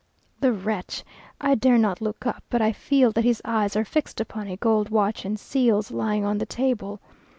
The wretch! I dare not look up, but I feel that his eyes are fixed upon a gold watch and seals lying on the table.